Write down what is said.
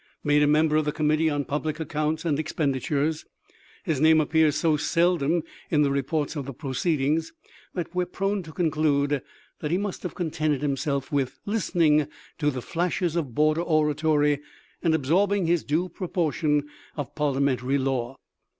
Made a member of the committee on Public Accounts and Expenditures, his name appears so seldom in the reports of the proceedings that we are prone to conclude that he must have contented himself with listening to the flashes of border oratory and ab sorbing his due proportion of parliamentary law.